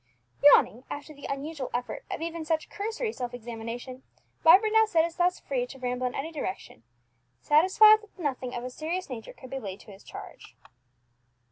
Yawning after the unusual effort of even such cursory self examination, Vibert now set his thoughts free to ramble in any direction, satisfied that nothing of a serious nature could be laid to his charge.